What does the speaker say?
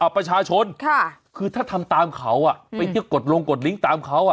ประชาชนคือถ้าทำตามเขาไปเที่ยวกดลงกดลิงก์ตามเขา